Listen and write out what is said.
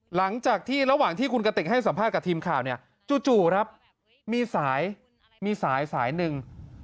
หลังจากที่ระหว่างที่คุณกติกให้สัมภาษณ์กับทีมข่าวเนี่ยจู่ครับมีสายมีสายสายหนึ่ง